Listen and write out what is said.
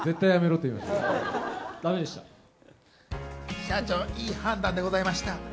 社長、いい判断でございました。